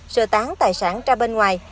sửa tán tài sản ra bên ngoài